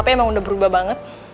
tapi emang udah berubah banget